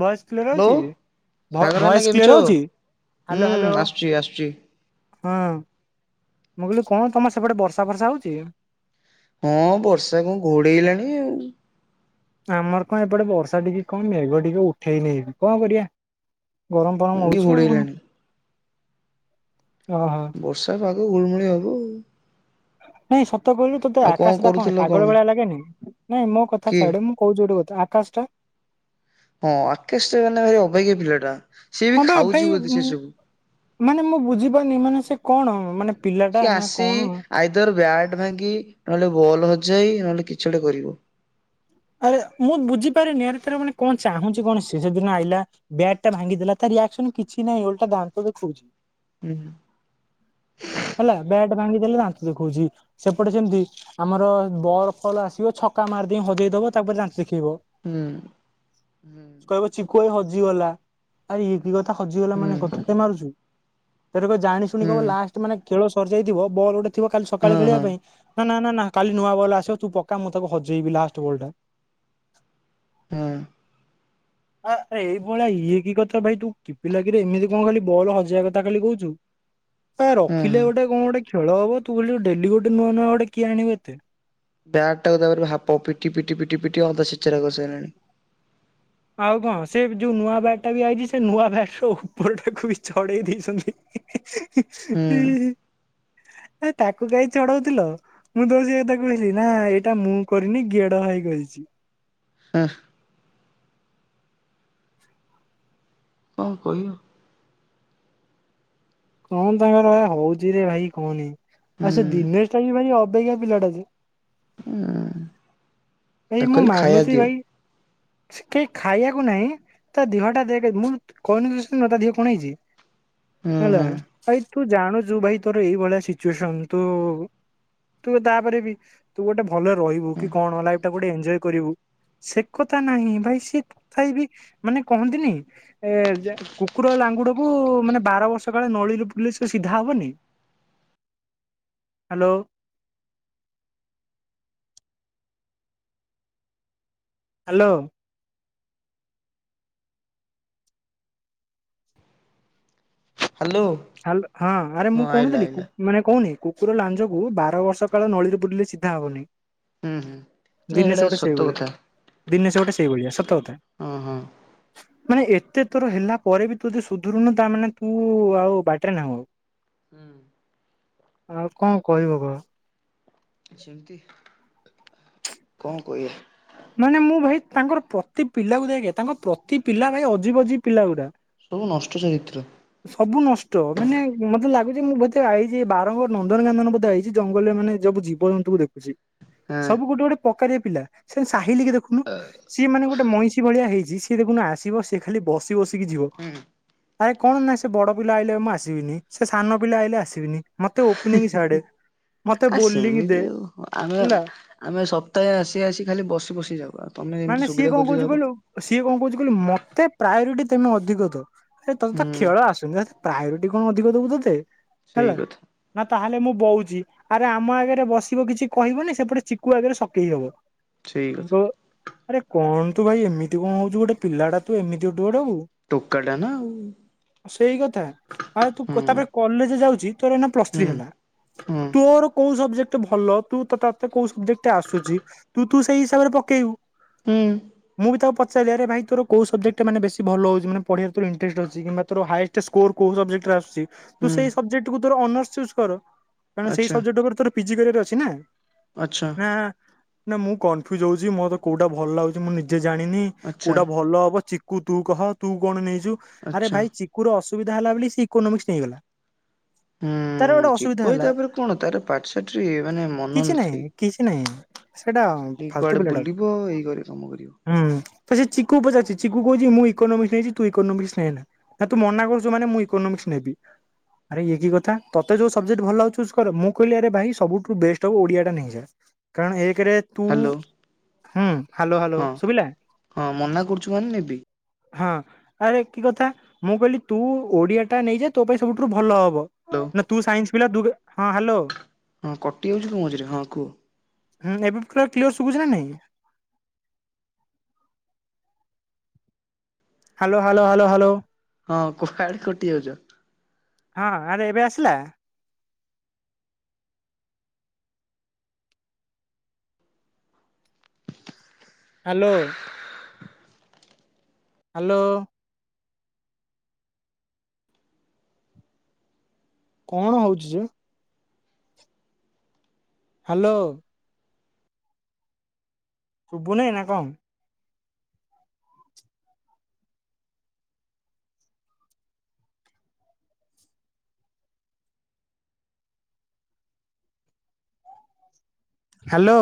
Voice clear ହଉଛି ଭ voice clear ହଉଛି ହ୍ୟାଲୋ ହ୍ୟାଲୋ ହୁଁ ଆସୁଚି ଆସୁଚି। ହଁ ମୁଁ କହିଲି କଣ ତମର ସେପଟେ ବର୍ଷା ଫର୍ଷା ହଉଚି? ହଁ ବର୍ଷା କଣ ଘୋଡେଇଲାଣି ଆଉ। ଆମର କଣ ଏପଟେ ବର୍ଷା ଟିକେ କଣ ମେଘ ଟିକେ ଉଠେଇ ନେଇ କଣ କରିବା। ଗରମ ଫରମ୍ ବି ହଉଚି ଆଉ- ଘୋଡେଇଲାଣି। ଓ ହୋ। ବର୍ଷା ପାଗ ଗୁଳମୁଳି ହବ ଆଉ। ନାଇଁ ସତ କହିଲୁ ତତେ ଆକାଶ ଟା କଣ ପାଗଳ ଭଳିଆ ଲାଗେନି ନାଇଁ ମୋ କଥା କିଏ? ଛାଡେ ମୁଁ କହୁଚି ଗୋଟେ କଥା ଆକାଶ୍ ଟା ହଁ ଆକାଶ୍ ଟା ମାନେ ଭାରି ଅବାଗିଆ ପିଲାଟା ସିଏ ହଁ ବି ବା ଭାଇ ଖାଉଚି ବୋଧେ ସେ ସବୁ। ମାନେ ମୁଁ ବୁଝିପାରୁନି ମାନେ ସେ କଣ ମାନେ ପିଲାଟା ସିଏ ନା ଆସି କଣ ଆଇଦର୍ ବ୍ୟାଟ୍ ଭାଙ୍ଗି ନହେଲେ ବଲ୍ ହଜାଇ ନହେଲେ କିଛି ଗୋଟେ କରିବ। ଆରେ ମୁଁ ବୁଝିପାରିନି ଆରେ ଥରେ ମାନେ କଣ ଚାହୁଁଚି କଣ ଶେଷ ଦିନ ଆଇଲା ବ୍ୟାଟ୍ ଟା ଭାଙ୍ଗି ଦେଲା ତା ରିଆକ୍ସନ୍ କିଛି ନାହିଁ ଓଲଟା ଦାନ୍ତ ଦେଖଉଚି। ହୁଁ। ହେଲା ବ୍ୟାଟ୍ ଭାଙ୍ଗିଦେଲା ଦାନ୍ତ ଦେଖଉଚି। ସେପଟେ ଯେମିତି ଆମର ବଲ ଫଲ ଆସିବ ଛକା ମାରିଦେଇ ହଜେଇ ଦବ ତାପରେ ଦାନ୍ତ ଦେଖେଇବ। ହୁଁ। କହିବ ଚିକୁ ଏଇ ହଜିଗଲା ଆରେ ଇଏ କଥା ହଜିଗଲା ହୁଁ ମାନେ [unintelligible] ମାରୁଚୁ। ସେଟା କ ଜାଣି ଶୁଣି ହୁଁ କହିବ ଲାଷ୍ଟ ମାନେ ଖେଳ ସରିଯାଇଥିବ ବଲ୍ ଗୋଟେ ଥିବ କାଲି ସକାଳେ ହଁ ହଁ ଖେଳିବା ପାଇଁ ନା- ନା -ନା -ନା କାଲି ନୂଆ ବଲ୍ ଆସିବ ତୁ ପକା ମୁଁ ତାକୁ ହଜେଇବି ଲାଷ୍ଟ୍ ବଲ୍ ଟା। ହୁଁ। ଆ- ଏଇ ଭଳିଆ ଇଏ କି କଥା ଭାଇ ତୁ କି ପିଲା କିରେ ଏମିତି କଣ ଖାଲି ବଲ ହଜେଇବା କଥା ଖାଲି କହୁଚୁ। ଆ ହଁ ହଁ ରଖିଲେ ଗୋଟେ କଣ ଗୋଟେ ଖେଳ ହବ ତୁ ଏଠି ଡେଲି ଗୋଟେ ନୂଆ ନୂଆ ଗୋଟେ କିଏ ଆଣିବ ଏତେ। ବ୍ୟାଟ୍ ଟାକୁ ତାପର ଦିନ ପିଟି- ପିଟି- ପିଟି- ପିଟି ଅଧା ଛେଚେରା କରିସାରିଲାଣି। ଆଉ କଣ ସେ ଯଉ ନୂଆ ବ୍ୟାଟ୍ ଟା ବି ଆଇଚି ସେ ନୂଆ ବ୍ୟାଟ୍ ର ଉପର୍ ହୁଁ ଆ- ତାକୁ କାଇଁ ଚଢଉଥିଲ। ମୁଁ ଦଉଚି [unintelligible] ନା ଏଇଟା ମୁଁ କରିନି ଗେଡା ଭାଇ କରିଚି। ଆଁ। କଣ୍ କହିବ। କଣ୍ ତାଙ୍କର ଭାଇ ହଉଚି ରେ ଭାଇ କହନି ହୁଁ ଆଉ ସେ ଦିନେଶ୍ ଟା ବି ଭାଇ ଅବାଗିଆ ପିଲାଟା ଯେ। [unintelligible] ହେଇ ଭାଇ ତାକୁ ମୁଁ କହିଲି ଖାଇବା ମାନୁଚି ଦିଅ ଭାଇ କେହି ଖାଇବାକୁ ନାହିଁ। ତା ଦେହ ଟା ଦେଖେ ମୁଁ [unintelligible] ଦେହ କଣ ହେଇଚି ହୁଁ ହେଲା। ହୁଁ ଭାଇ ତୁ ଜାଣୁଚୁ ଭାଇ ତୋର ଏଇ ଭଳିଆ ସିଚୁଏସନ୍ ତୁ ତୁ ତାପରେ ବି ତୁ ଗୋଟେ ଭଲ ରହିବୁ ହୁଁ କି କଣ ଲାଇଫ୍ ଟା ଗୋଟେ ଏଞ୍ଜୟ୍ କରିବୁ। ସେ କଥା ନାହିଁ ଭାଇ ସିଏ ତଥାବି ମାନେ କହନ୍ତିନି ଏ- ଯେ-କୁକୁର ଲାଙ୍ଗୁଡକୁ ମାନେ ବାର ବର୍ଷ କାଳେ ନଳୀରେ ପୁରେଇଲେ ସେ ସିଧା ହବନି। ହ୍ୟାଲୋ। ହ୍ୟାଲୋ। ହ୍ୟାଲୋ। ହ୍ୟାଲୋ ହଁ ଆରେ ମୁଁ ହଁ ଆଇଲା କହୁନଥିଲି କୁ ଆଇଲା ମାନେ କହୁନି କୁକୁର ଲାଞ୍ କୁ ବାର ବର୍ଷ କାଳ ନଳୀରେ ପୁରେଇଲେ ସିଧା ହବନି। ହୁଁ ହୁଁ ଦିନେଶ ଏଇଟା ଗୋଟେ ସତ ସେଇଭଳିଆ କଥା। ଦିନେଶ ସେ ଗୋଟେ ସେଇଭଳିଆ ସତ କଥା। ହଁ ହଁ। ମାନେ ଏତେ ତୋର ହେଲା ପରେ ବି ତୁ ଯଦି ସୁଧରୁନୁ ତା ମାନେ ତୁ ଆଉ ବାଟରେ ନା ହୁଁ। ହୁଁ। ଆଉ କଅଁ କହିବ କହ। ସେମିତି କଅଁ କହିଆ। ମାନେ ମୁଁ ଭାଇ ତାଙ୍କର ପ୍ରତି ପିଲାକୁ ଦେଖିତାଙ୍କ ପ୍ରତି ପିଲା ଭାଇ ଅଜିି ବଜିି ପିଲା ଉଡ଼ା। ସବୁ ନଷ୍ଟ ଚରିତ୍ର ସବୁ ନଷ୍ଟ ମାନେ ମତେ ଲାଗୁଚି ମୁଁ ବୋଧେ ଆଇଚି ବାରଙ୍ଗ ନନ୍ଦନ କାନନ ବୋଧେ ଆଇଚି ଜଙ୍ଗଲରେ ମାନେ ଯବୁ ଜୀବଜନ୍ତୁ ଦେଖୁଛି। ହଁ ସବୁ ଗୋଟେ ଗୋଟେ ପକାରିଆ ପିଲା ସେ ସାହିିଲ କି ଦେଖୁନୁ ସିଏ ମାନେ ଗୋଟେ ମଇଁଷି ଭଳିଆ ହେଇଛି। ହେଉ ଦେଖନୁ ଆସିବ ସେ ଖାଲି ବସି ବସିକି ଯିବ। ଆରେ କଣ ନା ସେ ବଡ ପିଲା ଆଇଲେ ମୁଁ ଆସିବିନି ସେ ସାନ ପିଲା ଆଇଲେ ଆସିବିନି। ମତେ ଓପନିଂ ଛାଡେ ମତେ ଆ ବୋଲିଂ ସେମିତି ଦେ ଆଉ ଆମେ ହେଲା। ଆମେ ସପ୍ତାଏ ଆସି ଆସି ଖାଲି ବସି ବସି ଯାଉ ଆଉ। ତମେ ଏମିତି ମାନେ ସିଏ ସୁବିଧା କଅଁ ଖୋଜିଲେ କହୁଛି ହବ କହିଲୁ। ସିଏ କଅଁ କହୁଛି କହିଲୁ ମତେ ପ୍ରାୟୋରିଟି ତମେ ଅଧିକ ଦବ ତତେତ ହୁଁ ଖେଳ ଆସୁନି। ପ୍ରାୟୋରିଟି କଣ ଅଧିକ ଦବୁ ତତେ ସେଇ ହେଲା। କଥା ନା ତାହେଲେ ମୁଁ ବଉଚି ଆରେ ଆମ ଆଗରେ ବସିବ କିଛି କହିବନି ସେପଟେ ଚିକୁୁ ଆଗରେ ସକେଇ ହବ। ସେଇ କଥା ଆରେ କଣ ତୁ ଭାଇ ଏମିତି କଣ ହଉଛୁ ଗୋଟେ ପିଲାଟା ତୁ ଏମିତି ହବୁ ଗୋଟେ। ଟୋକ ଟା ନା ଆଉ। ସେଇ କଥା ଆରେ ତୁ ହୁଁ ତାପରେ କଲେଜ ଯାଉଚି ତୋର ନା ପ୍ଲସ ହୁଁ ଥ୍ରୀ ହେଲା। ହୁଁ ତୋର କୋଉ ସବଜେକ୍ଟ ଭଲ ତୁ ତତେକୋଉ ସବଜେକ୍ଟ ଆସୁଛି। ତୁ ତୁ ସେଇ ହିସାବରେ ପକେଇବୁ। ହୁଁ। ମୁଁ ବି ତାକୁ ପଚାରିରେ ଭାଇ ତୋଉ ସବଜେକ୍ଟ ମାନେ ବେସି ଭଲ ହଉଛି ମାନେ ପଢି ବାକୁ ତୋର ଇଟରେଷ୍ଟ ଅଛି। ତୋରଏଷ୍ଟ। ସେ ସ୍କୁଲ କୋଉଦିନ ଲେଟ୍ରରେ ଆସୁଛି। ତୁ ହୁଁ ସେଇ ସବଜେକ୍ଟ କୁ ତୋର ଅନର୍ସ ଚୁଜ କର ସେଇ ଆଚ୍ଛା ସବଜେକ୍ଟରେ ତୋର ପିଜି କରିବାର ଅଛି ନା। ଆଚ୍ଛା। ହଁ ନା ମୁଁ କନଫ୍ୟୁଜ ହଉଛି ମୋତେ କୋଉଟା ଭଲ ଲାଗୁଚି ମୁଁ ନିଜେ ଜାଣିନି। ଆଚ୍ଛା କୋଉଟା ଭଲ ହବ ଚିକୁୁ ତୁ କହ ତୁ କଣ ନେଇଛୁ ଆରେ ଆଚ୍ଛା ଭାଇ ଚି ଚିକୁର ଅସୁବିଧା ହେଲା ବୋଲି ସେ ଇକ୍କୋମିସ୍ ନେଇଗଲା। ତାର ଗୋଟେ ହୁଁ ଅସୁବିଧା ଚିକୁ ହେଲା। ତାପରେ କଣ ତାର ପାଠଶାଠରେ ଇଏ ମାନେ ମନ କିଛି ନାହିଁ ନଥାଇ। କିଛି ନାଇଁ ସେଇଟା ଫାଲତୁ ପିଲାଟା ବୁଲିବ ଏଇ ଘରେ କାମ କରିବ ହୁଁ। ତ ସେ ଚିକୁ ପଚାରଛି ଚିକୁ କହୁଛି ମୁଁ ଇୋନମିକ୍ସ ନେଇଛି ତୁ ଇୋନମିକ୍ସ ନେ ନା। ନାଁ ତୁ ମନା କରୁଚୁ ମାନେ ମୁଁ ଇୋନୋମିକ୍ସ ନେବି। ଆରେ ଇଏ କି କଥା ତତେ ଯଉ ସବଜେକ୍ଟ ଭଲ ଲାଗୁଛି ଚୁଜ୍ କର ମୁଁ କହିଲି ଆରେ ଭାଇ ସବୁଠୁ ବେଷ୍ଟ ହବ ଓଡିଆା ନେଇଯାଆ କାରଣ ଏକ ରେ ତୁ ହ୍ୟାଲୋ ହୁଁ ହ୍ୟାଲୋ ହ୍ୟାଲୋ ହଁ ସୁୁବିଲା। ହଁ ମନା କରୁଛୁ ମାନେ ନେବି ହଁ ଆରେ କି କଥା ମୁଁ କହିଲି ତୁ ଓଡିଆ ଟା ନେଇଯା ତୋ ପାଇଁ ସବୁଠୁ ଭଲ ହବ। ହ୍ୟାଲୋ। ନା ତୁ ସାଇନ୍ସ ପିଲା ତୁ ହଁ ହ୍ୟାଲୋ। ହଁ କଟିଯାମ, ତୁ ମଝିରେ ହଁ କୁହ। ହୁଁ ଏବେ ପୁରା କ୍ଲିଅର ସୁବୁଛି ନା ନାଇଁ। Hello hello hello hello. ହଁ କୁହାଡେ କଟି ଯାଉଛ। ହଁ ଆରେ ଏବେ ଆସିଲା। ହ୍ୟାଲୋ। ହ୍ୟାଲୋ। କଣ ହଉଛି ଯେ? ହ୍ୟାଲୋ। ଶୁବୁନାଇଁ ନା କଣ? ହ୍ୟାଲୋ।